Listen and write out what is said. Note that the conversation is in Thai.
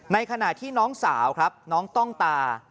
ในขณะที่น้องสาวครับน้องต้องตา